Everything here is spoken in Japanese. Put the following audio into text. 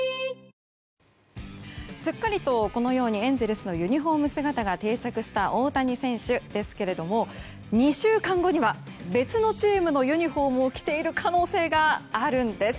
すっかりとこのようにエンゼルスのユニホーム姿が定着した大谷選手ですけれども２週間後には別のチームのユニホームを着ている可能性があるんです。